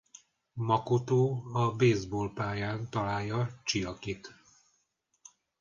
Makoto a baseball-pályán találja Csiakit.